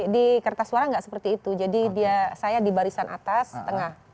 di kertas suara nggak seperti itu jadi dia saya di barisan atas tengah